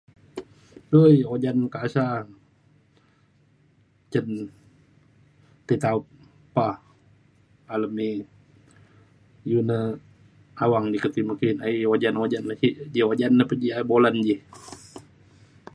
uuii ojan kasa cen tetaup pa alem ei. iu ne awang ji ke tai miki aie ojan ojan le sik, sik ji ojan pe ji bolan ji.